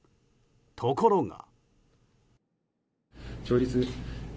ところが。